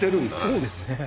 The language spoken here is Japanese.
そうですね